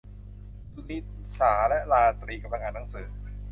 สุนิสาและราตรีกำลังอ่านหนังสือ